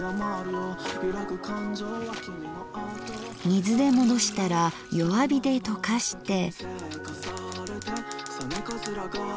水で戻したら弱火で溶かして。